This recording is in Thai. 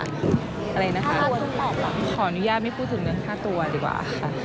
อะไรนะคะขออนุญาตไม่พูดถึงเงินค่าตัวดีกว่าค่ะ